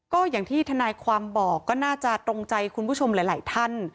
ก็อย่างที่ทนายความบอกก็น่าจะตรงใจคุณผู้ชมหลายท่าน